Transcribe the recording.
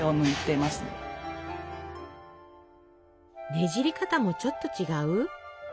ねじり方もちょっと違う？